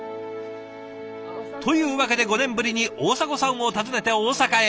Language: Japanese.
というわけで５年ぶりに大迫さんを訪ねて大阪へ。